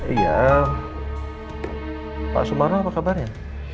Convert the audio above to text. iya pak sumarno apa kabarnya